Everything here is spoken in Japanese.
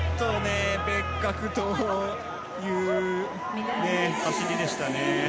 別格という走りでしたね。